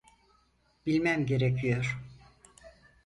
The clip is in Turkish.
Bilmem gerekiyor.